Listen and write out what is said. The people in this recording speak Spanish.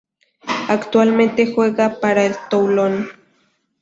Actualmente juega para el Toulon.